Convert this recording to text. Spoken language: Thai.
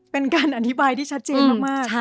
เป็นการอธิบายที่ชัดเจนมาก